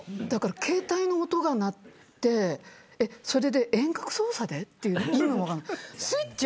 だから携帯の音が鳴ってそれで遠隔操作でっていう意味が分かんない。